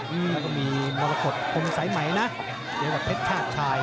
อื้อก็มีมรกฏพรมสายไหมนะเดี๋ยวกับเพชรชาติชาย